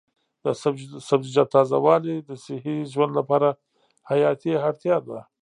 د سبزیجاتو تازه والي د صحي ژوند لپاره حیاتي اړتیا ده.